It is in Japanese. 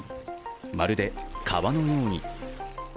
まるで川のように。